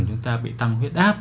chúng ta bị tăng huyết áp